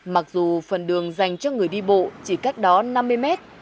mặc dù phần đường dành cho người đi bộ chỉ cách đó năm mươi mét